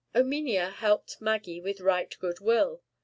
Erminia helped Maggie with right good will.